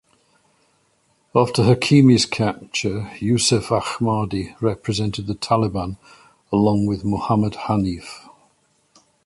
After Hakimi's capture, Yousef Ahmadi represented the Taliban, along with Muhammad Hanif.